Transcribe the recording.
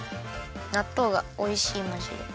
なっとうがおいしいまじで。